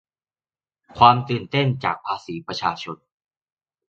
ความตื่นเต้นจากภาษีประชาชน